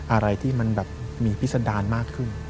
อะไรที่มันแบบมีพิษดารมากขึ้น